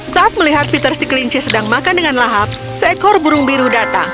saat melihat peter si kelinci sedang makan dengan lahap seekor burung biru datang